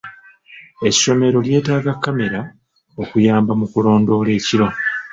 Essomero lyeetaaga kkamera okuyamba mu kulondoola ekiro.